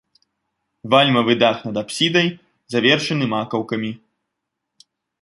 Вальмавы дах над апсідай завершаны макаўкамі.